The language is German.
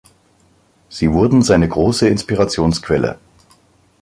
Sie wurden seine große Inspirationsquelle.